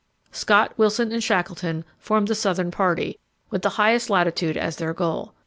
Scott, Wilson, and Shackleton, formed the southern party, with the highest latitude as their goal.